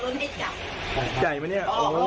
ได้ไหมนี่